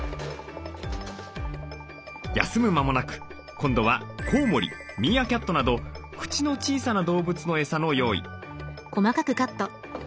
休む間もなく今度はコウモリミーアキャットなど口の小さな動物のエサの用意。